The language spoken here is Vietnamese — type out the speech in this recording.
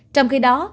trong khi đó